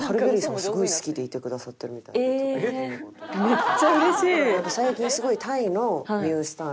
めっちゃうれしい！